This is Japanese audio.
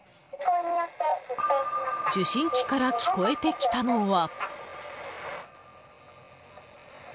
受信機から聞こえてきたのは。